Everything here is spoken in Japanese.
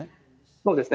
そうですね。